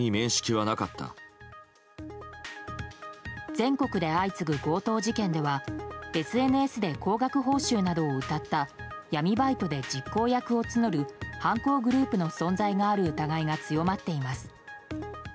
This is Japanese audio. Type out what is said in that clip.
全国で相次ぐ強盗事件ではＳＮＳで高額報酬などをうたった闇バイトで実行役を募る犯行グループの存在がある疑いが強まっています。